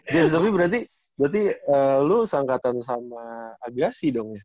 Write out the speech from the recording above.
james tapi berarti berarti lu sengkatan sama agassi dong ya